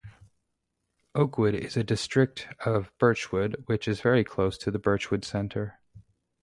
Oakwood is a district of Birchwood, which is very close to the Birchwood centre.